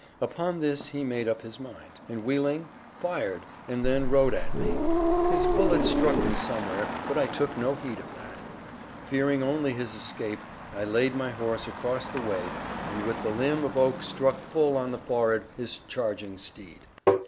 Upon this he made up his mind; and wheeling, fired, and then rode at me. His bullet struck me somewhere, but I took no heed of that. Fearing only his escape, I laid my horse across the way, and with the limb of oak struck full on the forehead his charging steed.